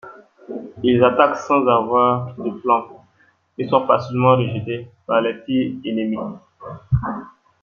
Ils attaquent sans avoir de plan et sont facilement rejetés par les tirs ennemis.